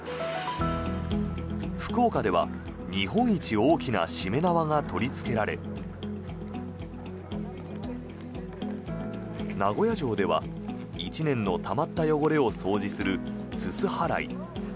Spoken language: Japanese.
福岡では、日本一大きなしめ縄が取りつけられ名古屋城では１年のたまった汚れを掃除するすす払い。